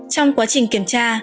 trong quá trình kiểm tra